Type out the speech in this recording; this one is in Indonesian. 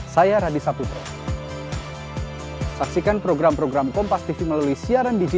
saya dilukpal terima kasih